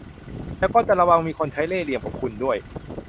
แต่ก็ระวังจะมีคนใช้เล่ห์เหลี่ยมกับคุณด้วย